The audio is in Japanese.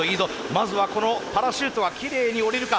まずはこのパラシュートはきれいに降りるか。